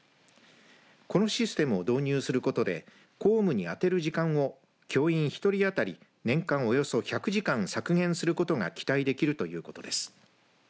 このシステムを導入することで校務に充てる時間を教員１人当たり年間およそ１００時間削減することが期待できるということです。